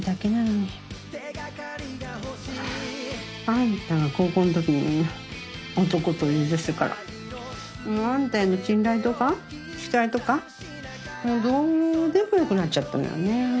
あんたが高校の時男と家出してからあんたへの信頼とか期待とかどうでもよくなっちゃったのよね。